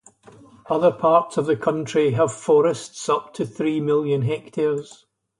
Other parts of the country have forests up to three million hectares.